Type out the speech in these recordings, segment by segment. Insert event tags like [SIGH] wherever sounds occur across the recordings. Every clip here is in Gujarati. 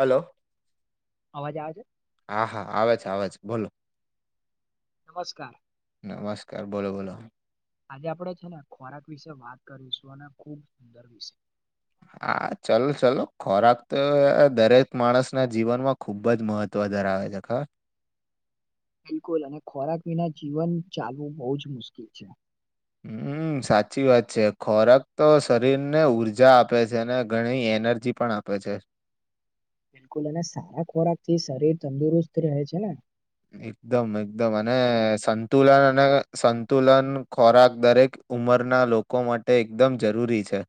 હલો. અવાજ આવે હા, હા, આવે છે, આવે છે. બોલો? નમસ્કાર. નમસ્કાર બોલો બોલો. આજે આપડણે છે ને ખોરાક વિશે વાત કરીશું અને ખુબ સુંદર વિશે હા, ચલો ચલો. ખોરાક તો અહ દરેક માણસ ના જીવનમાં ખુબ જ મહત્વ વધારે આવે છે ખા બિલકુલ અને ખોરાક વિના જીવન ચાલવું બહુ જ મુશ્કેલ છે. હમ્મ, સાચી વાત છે. ખોરાક તો શરીરને ઊર્જા આપે છે અને ઘણી એ નર્જી પણ આપે છે. બિલકુલ અને સારા ખોરાક થી શરીર તંદુરસ્ત રહે છે ને? એકદમ એકદમ અને સંતુલન અને સંતુલન ખોરાક દરેક ઉંમરના લોકો માટે એકદમ જરૂરી છે.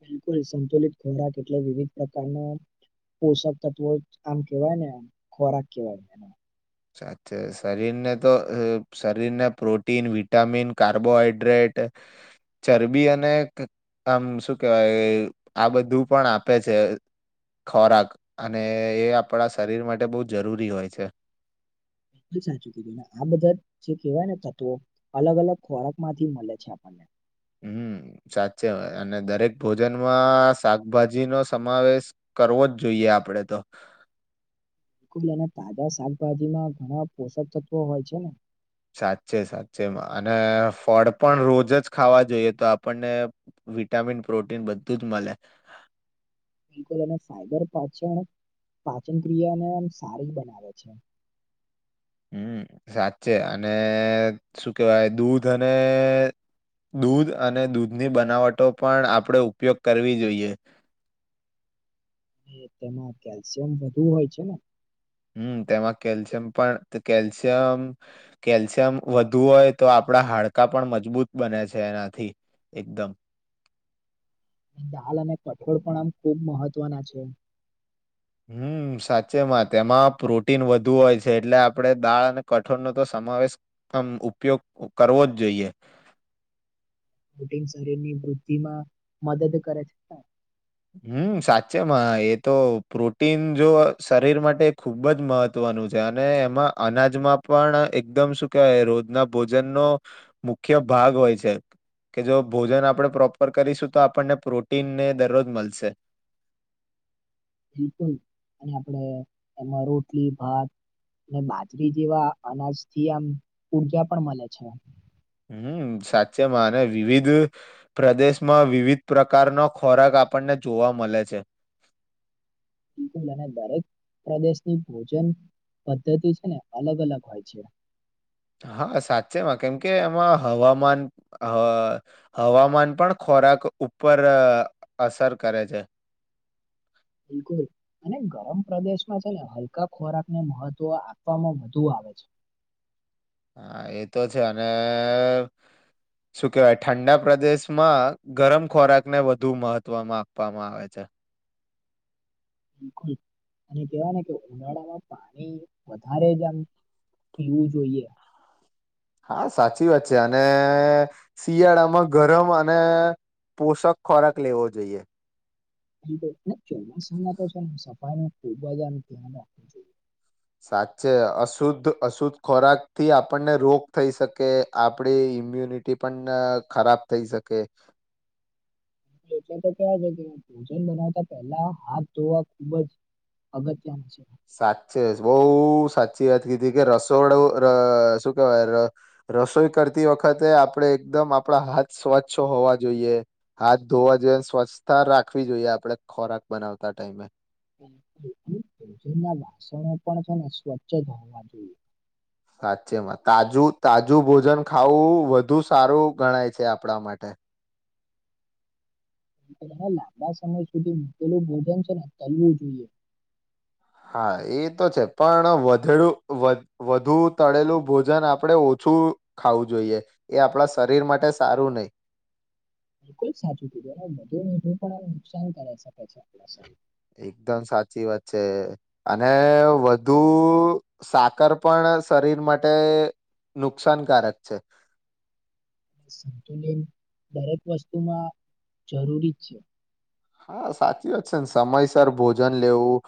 બિલકુલ સંતુલિત ખોરાક એટલે વિવિધ પ્રકારના પોષક તત્વો આમ કેવાય ને ખોરાક કેવાય એને. સાચ્ચે શરીરને તો શરીરને પ્રોટીન, વિટામિન, કાર્બોહાઈડ્રેટ ટે ચરબી અને ક આમ શું કેવાય, આ બધું પણ આપે છે ખોરાક. અને એ આપણા શરીર માટે બહુ જરૂરી હોય છે. કેટલું સાચું કીધું ને આ બધા જે કહેવાય ને તત્વો અલગ અલગ ખોરાક માંથી મલે છે આપણને. હમ્મ, સાચે હોય અને દરેક ભોજનમાં શાકભાજી નો સમાવેશ કરવો જ જોઈએ આપડે તો. કુ મને તાજા શાકભાજીમાં ઘણા પોષક તત્વો હોય છે ને. સાચે સાચે અને ફળ પણ રોજ જ ખાવા જોઈએ તો આપણને વિટામિન પ્રોટીન બધું જ મલે. પાચન પાચન ક્રિયાને આમ સારીજ બનાવે છે. હમ સાચે અને શું કેહેવાય દૂધ અને દૂધ અને દૂધની બનાવટો પણ આપણે ઉપયોગ કરવી જોઈએ તેમાં કેલ્શિયમ વધુ હોય છે, ને હમ તેમાં કેલ્શિયમ પણ કેલ્શિયમ કેલ્શિયમ વધુ હોય તો આપણા હાડ કા પણ મજબૂત બને છે, એનાથી એકદમ દાલ અને કઠોળ પણ આમ ખુબ મહત્વના છે, હમ સાચે માં તેમાં પ્રોટીન વધુ હોય છે, એટલે આપડે દાળ અને કઠોળનો તો સમાવેશ અમ‌ ઉપયોગ કરવો જ જોઈએ બટિંગ શરીરની વૃદ્ધિમાં મદદ કરે હમ સાચેમાં એ તો પ્રોટીન જો શરીર માટે ખુબ જ મહત વનુ એમાં અનાજમાં પણ એકદમ શું કેવાય રોજના ભોજન નો મુ ખય ભાગ હોય છે, કે જો ભોજન આપણે પ્રોપર કરીશું તો આપણને પ્રોટીનને દરરોજ મલશે. બિલકુલ અને આપણેે એમાં રોટલી ભાત અને બાજરી જેવા અનાજથી આમ ઉર્જા પણ મલે છે. હમ સાચેમાં અને વિવિધ પ્રદેશમાં વિવિધ પ્રકારનો ખોરાક આપણને જોવા મલે છે. મને દરેક પ્રદેશની ભોજન પદ્ધતિ છે, ને અલગ અલગ હોય છે, હા સાચેમાં કેમ કે એમાં હવામાન હ હવામાન પણ ખ ખોરાક ઉપર અસર કરે છે, બિલકુલ અને ગરમ પ્રદેશમાં છે, ને હલકા ખોરાકને મહત્વ આપવામાં વધુ આ વે છે હા એતો છે અને શું કેવાય ઠંડા પ્રદેશમાં ગરમ ખોરાકને વધુ મહત્વમાં આપવામાં આવે છે હ બિલકુલ અને કેવાય ને કે ઉનાળામાં પાણી વધારે જ આમ પીવું જોઈએ હા સાચી વાત છે. અને શિયાળામાં ગરમ અને પોષક ખોરાક લેવો જોઈએ ચોમાસામાં તો છે. સફાઈ નુ ખૂબ જ આ ધ્યાન રાખવું જોઈએ સાચે અશુદ્ધ અશુદ્ધ ખોરાક થી આપણને રોગ થઈ શકે આપડી ઇમ્યુનિટી પણ ખરાબ થઈ શકે તો કેવા છે. કે ભોજન બનાવતા પેલા હાથ ધોવા ખુબ જ અગત્યનું છે સાચે બોવ સાચી વાત કીધી કે રસોડું રે શું કેવાય રસોઈ કરતી વખતે આપણેે એકદમ આપણા હાથ સ્વચ્છ હોવા જોઈએ હાથ ધોવા જોએ સ્વચ્છતા રાખવી જોઈએ આપણે ખોરાક બનાવતા ટાઈમે ભજનના વાસણો પણ છેને સ્વચ્છ હોવા જોઈએ સાચેમાં તાજું તાજું ભોજન ખાવું વધુ સારું ગણાય છે, આપણા માટે તમે લાંબા સમય સુધી મૂકેલું ભોજન છે, ને ચલવું જોઈએ હા એ તો છે, પણ વધેડુ વધુ તળેલું ભોજન આપડે ઓ શું ખાવું જોઈએ એ આપણા શરીર માટે સારું નય બિલકુલ સાચું કીધું અને વધું મીઠું પણ નુકસાન કરે છે, કે છે, આપરી એકદમ સાચી વાત છે અને વધુ સાકર પણ શરીર માટે નુકસાનકારક છે સંતુલન દરેક વસ્તુમાં જરૂરી છે. હા સાચી વાત છે, ને સમયસર ભોજન લેવું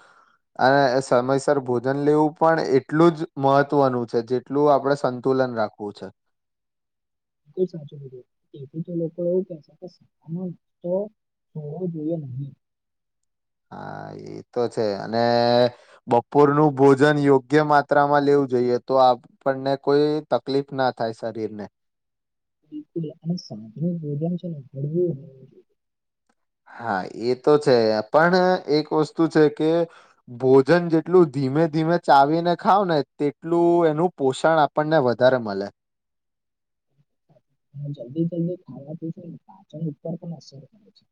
અને સમયસર ભોજન લેવું પણ એટલું જ મહત્વનું છે જેટલું આપડે સંતુ લન રાખવું છે. [INAUDIBLE] તેથી તો લોકો એવું કે છે કે [INAUDIBLE] જોવો જોઈએ નહી. હા, એ તો છે અને બપોર નું ભોજન યોગ્ય માત્રામાં લેવું જઈએ તો આપણને કોઈ તકલીફ ના થાય શરીર ને. બિલકુલ અને સાજનું ભોજન છે ને હળવું હોવું જોઈએ. હા, એ તો છે પણ એક વસ્તુ છે કે ભોજન જેટલું ધીમે ધીમે ચાવીને ખાવ ને તેટલું એનું પોષણ આપણને વધારે મળે. [INAUDIBLE] જલ્દી જલ્દી ખાવા થી છેન પાચળ ઉપર પણ અસર પડે છે.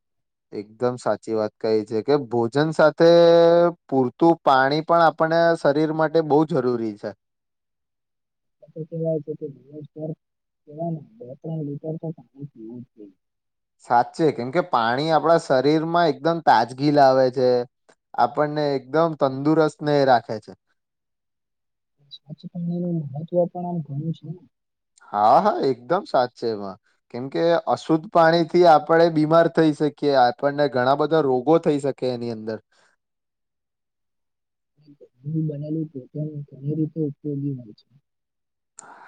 એકદમ સાચી વાત કહી છે કે ભોજન સાથે પૂરતું પાણી પણ આપ પણ એ શરીર માટે બહુ જરૂરી છે. આ તો કેવાય છે કે [INAUDIBLE] એ બે ત્રણ લીટર તો [INAUDIBLE] સાચે કેમકે પાણી આપણા શરીર માં એકદમ તાજગી લાવે છે આપણને એકદમ તંદુરસ્ત ને રાખે છે. સ્વચ્છ પાણી નું મહત્વ પણ આમ ઘણું છે. હા હા એકદમ સાચેમાં. કેમકે અશુદ્ધ પાણી થી આપણે બીમાર થઈ શકીએ, આપણને ઘણા બધા રોગો થઈ શક કે એની અંદર [INAUDIBLE] બનેલું પો ઘણી રીતે ઉપયોગી હોય છે.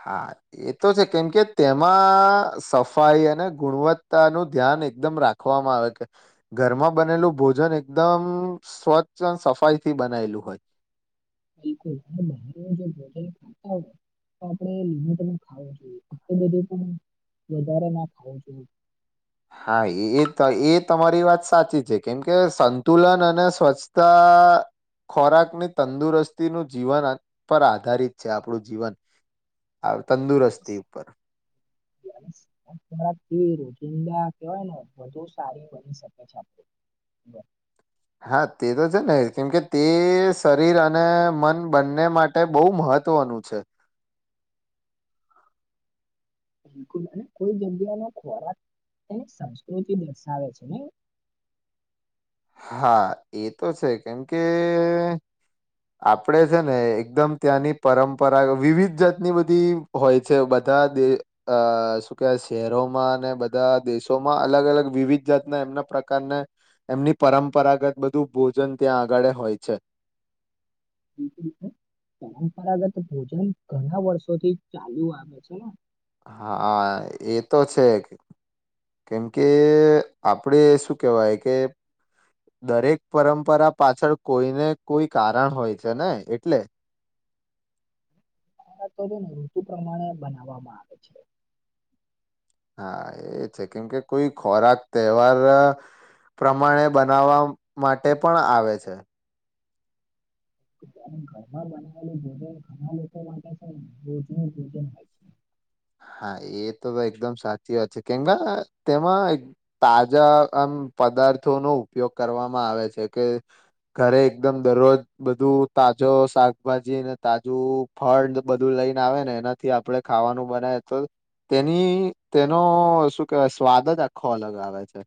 હા એ તો છે કેમ કે તેમાં સફાઈ અને ગુણવત્તા નું ધ્યાન એક એકદમ રાખવામાં આવે કે ઘરમાં બનેલું ભોજન એકદમ સ્વચ્છ અને સફાઈ થી બનાયેલું હોય. બિલકુલ [INAUDIBLE] જો ભોજન ખાતા હોય તો આપણે લમટ ખાવું જોઈએ એટલું બધું પણ વધારે ના ખાવું જોએ. હા એ એ તમારી વાત સાચી છે કેમ કે સંતુલન અને સ્વચ્છતા આ ખોરાકની તંદુરસ્તીનું જીવન પર આધારિત છે આપણું જીવન. તંદુરસ્તી ઉપર [UNINTELLIGIBLE] ઈંડા કેવાય ને વધુ સારી બની શકે છે આપ. હા તે તો છે ને કેમકે તે શરીર અને મન બંને માટે બહુ મહ ત્વનું છે. બિલકુલ અને કોઈ જંદ્યા ને ખોરાક તેની સંસ્કૃતિ દર્શાવે છે ને. હા, એ તો છે કેમ કે આપડે છે ને એકદમ ત્યાંની પરંપરા વિવિધ જાતની બધી હોય છે બટ બધા દ અ શું કે શહેરોમાં અને બધા દેશોમાં અલગ અલગ વિવિધ જાતના એમના પ્રકારને એમની પરંપરાગત બધું ભોજન ત્યાં આગળ હોય છે. [INAUDIBLE] પરંપરાગત ભોજન ઘણા વર્ષોથી ચાલુ આવે છે ને. હા એ તો છે. કેમ કે આપડે શું કેહેવાય કે દરેક પરંપરા પાછળ કોઈને કોઈ કારણ હોય છે ને એટલે. તો ને ઋતુ પ્રમાણે બનાવવામાં આવે છે. હા એ છે કેમ કે કોઈ ખોરાક તહેવાર પ્રમાણે બનાવવા માટે પણ આવે છે. ઘરમાં બનાવેલું, ભોજન ઘણા લોકો માટે છે, ને રોજનું ભોજન હોય છે. હા, એ તો એકદમ સાચી વાત છે, કેમ કે તેમાં તાજા પદાર્થો નો ઉપયોગ કરવામાં આવે છે, કે ઘરે એકદમ દરરોજ બધું, તાજો શાકભાજી અને તાજું ફળ, બધું લ લઈને આવે, ને એનાથી આપડણે ખાવાનું બનાય, તો તેની તેનો શું કેવાય સ્વાદ જ આખો અલગ આવે છે.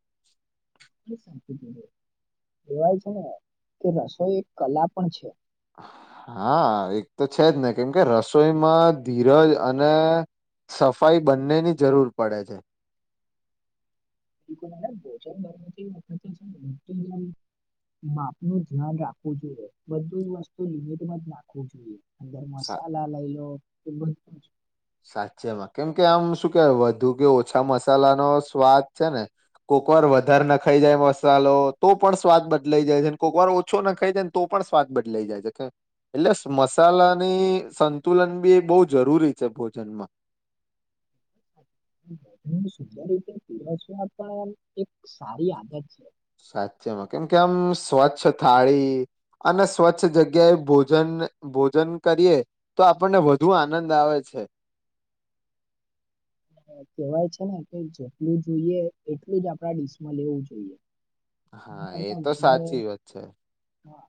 એવાય છેને, કે રસોઈ એક કલા પણ છે. હા હા, એક તો છેજ, ને કેમ કે રસોઈમાં ધીરજ અને સફાઈ બંનેની જરૂર પડે છે. [INAUDIBLE] માપનું ધ્યાન રાખવું જોઈએ, બધું જ વસ્તુ લિમિટ જ નાખવું જોઈએ અંદર સા મસાલા લઈ, લો એ બધ સાચેમાં કેમ કે આમ શું કેવાય વધુ, કે ઓછા મસાલા નો સ્વાદ છે, ને કો કોકવાર વધારે ન ખાઈ જાય, મસાલો તો પણ સ્વાદ બદલાઈ જાય, છેને કોકવાર ઓછો ન ખાઈ જાય, ને તો પણ સ્વાદ બદલાઈ જાય છે, એટલે મસાલાની સંતુલન બી એ બહ જરૂરી છે, ભોજન્માં દર રીતે પરસવા પણ એક સારી આદત છે. સાચેમાં કે, મ કે આમ સ્વચ્છ થાળી, અને સ્વચ્છ જગ્યાએ ભોજન ભોજન કરીએ, તો આપણને વધુ આનંદ આવે છે. કેવાય છેને, કે જેટલું જોઈએ એટલું જ આપડા ડીશમાં લેવું જોઈએ એના હા, એ કરતા તો વધારે સાચી વાત છે. હા.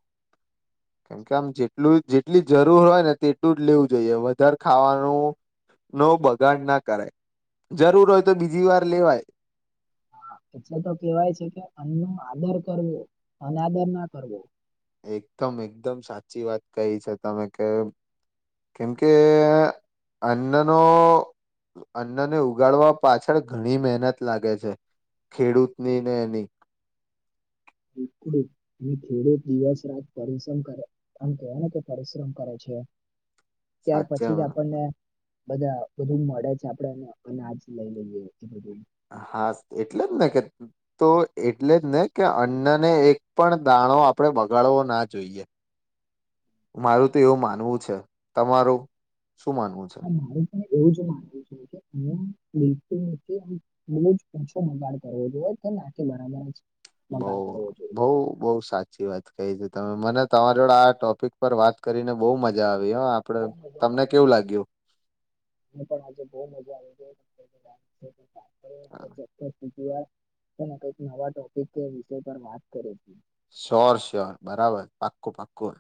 કેમકે આમ જેટલું, જેટલી જરૂર હોય, ને તેટલું જ લેવું જોઈએ, વધારે ખાવાનું નવ બગાડ ના કરાય, જરૂર હોય, તો બીજી વાર લેવાય હા, એટલે તો કેવાય છે, કે અન્નો આદર કરવો અ આદર ના કરવો એકદમ એકદમ સાચી વાત કહી છે, તમે કે કેમ કે અન્નનો અન્નને ઉગાડવા પાછળ ઘણી, મહેનત લાગે છે. ખેડૂતની, ને એની ખેડૂત દિવસ રાત પરિશ્રમ કરે આમ કેને કે પરિશ્રમ કરે છે. ત્યાર પછી, જ સાચેમાં આપણ ને. બધાને બધું મળે છે. આપણેેને એને જ લઈ લઈએ એ બધું. હા, એટલે જ ને કે, તો એટલે જ ને કે અન્ન ને એક પણ દાણો. દાણો આપડે બગાડવો, ના જોઈએ. [INAUDIBLE] મારું તો એવું માનવું છે, તમારું શું માનવું છે. હું, એવું જ માનું છુ, કે એવુ નથી. [UNINTELLIGIBLE] બહુજ ઓછો બગાડ કરવો જોઈય, તો નાંખે બરાબર છે. બઉ બઉ, બઉ સાચી વાત કહી છે. તમે અને મને તમારી આજે જોડે બહુ આ ટોપિક પર વાત કરીને. બહુ મજા આવી હો, આપડે મજા તમને આવી ગઈ. કેવું લાગ્યું. પણ આજે બહુ મજા આવી. પર વાત કઈક નવા ટોપિક કે વિષય પર વાત કરે છે. શ્યોર, શ્યોર બરાબર, પાક્કું પાક્કું